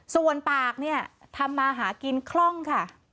ส่วนปากเนี่ยทำมาหากินคล่องค่ะ